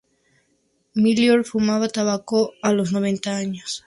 Meilleur fumaba tabaco a los noventa años.